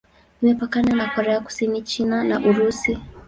Imepakana na Korea Kusini, China na Urusi.